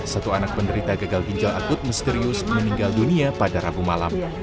satu anak penderita gagal ginjal akut misterius meninggal dunia pada rabu malam